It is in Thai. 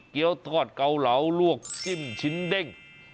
ทอดเกาเหลาลวกจิ้มชิ้นเด้ง